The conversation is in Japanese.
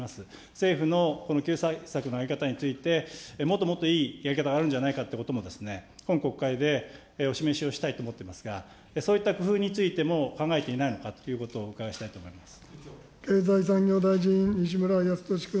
政府のこの救済策の在り方について、もっともっといいやり方があるんじゃないかということも、今国会でお示しをしたいと思ってますが、そういった工夫についても考えていないのかということをお経済産業大臣、西村康稔君。